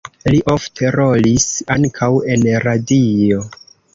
Li ofte rolis ankaŭ en radio.